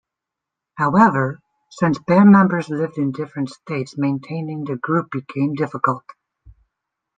However, since band members lived in different states maintaining the group became difficult.